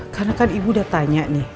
karena kan ibu udah tanya nih